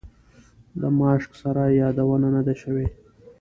د ماشک سرای یادونه نه ده شوې.